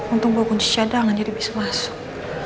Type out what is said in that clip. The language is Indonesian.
untuk bawa kunci cadangan jadi bisa masuk